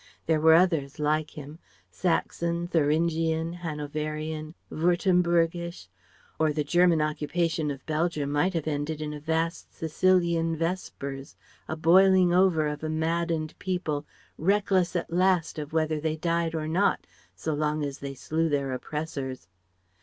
(There were others like him Saxon, Thuringian, Hanoverian, Württembergisch or the German occupation of Belgium might have ended in a vast Sicilian Vespers, a boiling over of a maddened people reckless at last of whether they died or not, so long as they slew their oppressors.)